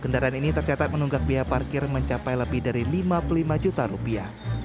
dan ini tercatat menunggak biaya parkir mencapai lebih dari lima puluh lima juta rupiah